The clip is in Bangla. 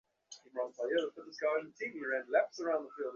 আর এর জন্যই করটানাকে বলা হচ্ছে ব্যক্তিগত সহকারী সফটওয়্যার।